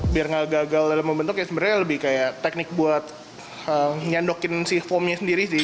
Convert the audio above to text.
biar gak gagal dalam membentuk ya sebenarnya lebih kayak teknik buat nyandokin si foamnya sendiri sih